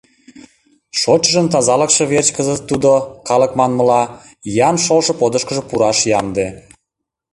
Шочшыжын тазалыкше верч кызыт тудо, калык манмыла, иян шолшо подышкыжо пураш ямде.